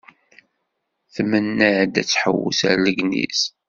Tmenna-d ad tḥewwes ar Legniz.